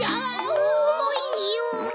おもいよ！